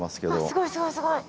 すごいすごいすごい。